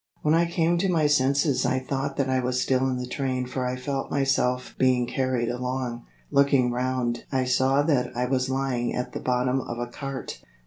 When I came to my senses I thought that I was still in the train for I felt myself being carried along. Looking round I saw that I was lying at the bottom of a cart.